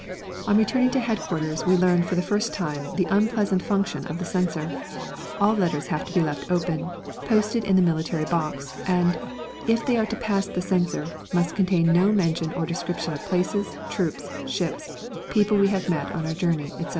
On returning to headquarters we learned for the first time the unpleasant function of the Censor. All letters have to be left open, posted in the military box, and, if they are to pass the Censor, must contain no mention or description of places, troops, ships, people we have met on our journey, etc.